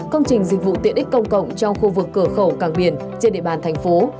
công trình dịch vụ tiện ích công cộng trong khu vực cửa khẩu càng biển trên địa bàn thành phố